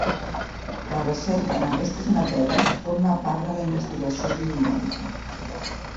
La recerca en aquestes matèries forma part de la investigació biomèdica.